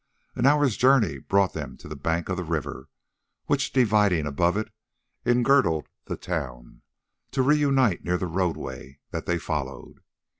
An hour's journey brought them to the bank of the river, which, dividing above it, engirdled the town, to reunite near the roadway that they followed.